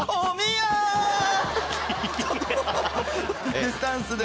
ディスタンスで。